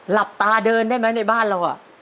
หลับตาเดินได้ไหมในบ้านเรา